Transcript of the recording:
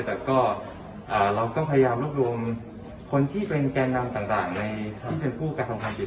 แต่ก็เราก็พยายามรวบรวมคนที่เป็นแก่นำต่างที่เป็นผู้กระทำความผิด